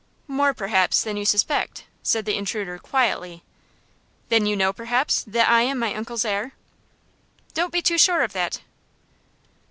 "More, perhaps, than you suspect," said the intruder, quietly. "Then, you know, perhaps, that I am my uncle's heir?" "Don't be too sure of that."